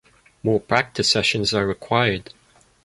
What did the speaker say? More practice sessions are required.